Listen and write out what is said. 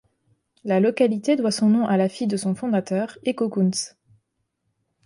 La localité doit son nom à la fille de son fondateur, Echo Koontz.